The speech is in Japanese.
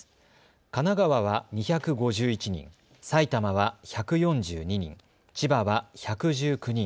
神奈川は２５１人、埼玉は１４２人、千葉は１１９人。